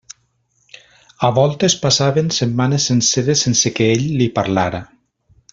A voltes passaven setmanes senceres sense que ell li parlara.